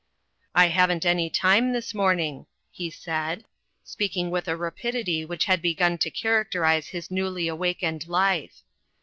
"I haven't any time this morning," he said, speaking with a rapidity which had begun to characterize his newly awakened life.